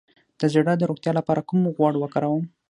د زړه د روغتیا لپاره کوم غوړ وکاروم؟